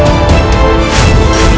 lain is untuk anwar skopun